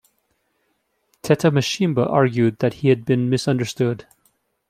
Tetamashimba argued that he had been misunderstood.